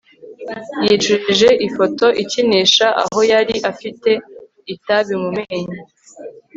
yicujije ifoto ikinisha aho yari afite itabi mu menyo